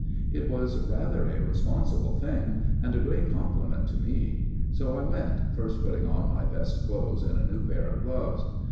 It was rather a responsible thing, and a great compliment to me. So I went, first putting on my best clothes and a new pair of gloves.